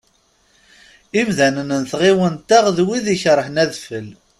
Imdanen n tɣiwant-a d wid ikerhen adfel.